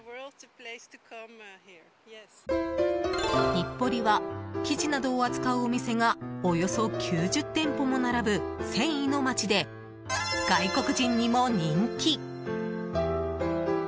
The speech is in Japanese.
日暮里は生地などを扱うお店がおよそ９０店舗も並ぶ繊維の街で外国人にも人気。